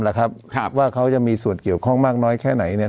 นะครับครับว่าเขาจะมีส่วนเกี่ยวข้องมากน้อยแค่ไหนเนี่ย